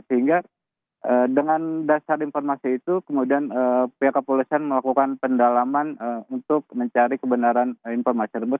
sehingga dengan dasar informasi itu kemudian pihak kepolisian melakukan pendalaman untuk mencari kebenaran informasi tersebut